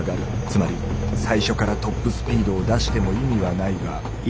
つまり最初からトップスピードを出しても意味はないが。